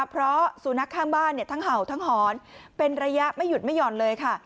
เพราะสุนัขข้างบ้านทั้งเห่าทั้งหอนเป็นระยะไม่หยุดไม่หย่อนเลยค่ะ